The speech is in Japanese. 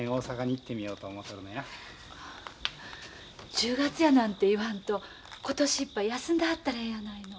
１０月やなんて言わんと今年いっぱい休んではったらええやないの。